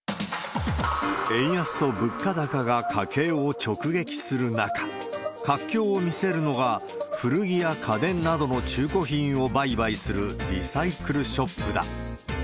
円安と物価高が家計を直撃する中、活況を見せるのが、古着や家電などの中古品を売買するリサイクルショップだ。